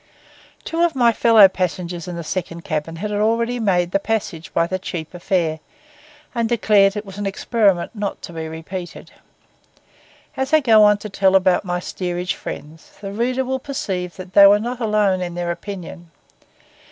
Two of my fellow passengers in the second cabin had already made the passage by the cheaper fare, and declared it was an experiment not to be repeated. As I go on to tell about my steerage friends, the reader will perceive that they were not alone in their opinion.